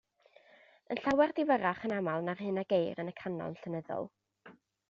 Yn llawer difyrrach yn aml na'r hyn a geir yn y canon llenyddol.